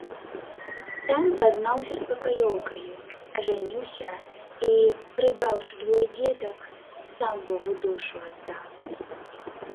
Там пазнаўся з пакаёўкаю, ажаніўся і, прыдбаўшы двое дзетак, сам богу душу аддаў.